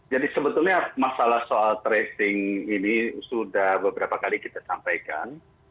jadi sebetulnya masalah soal tracing ini sudah beberapa kali kita sampaikan